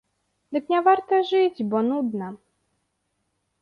Дык не варта жыць, бо нудна.